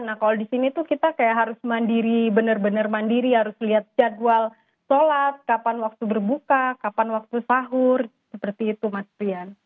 nah kalau di sini tuh kita kayak harus mandiri benar benar mandiri harus lihat jadwal sholat kapan waktu berbuka kapan waktu sahur seperti itu mas brian